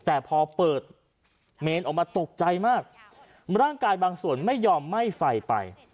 แต่พอเปิดเมนออกมาตกใจมากร่างกายบางส่วนไม่ยอมไหม้ไฟไป